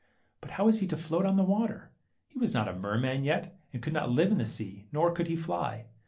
But how was he to float on the water ? He was not a merman yet, and could not live in the sea, nor could he fly.